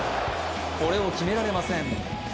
これを決められません。